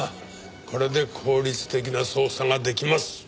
これで効率的な捜査ができます。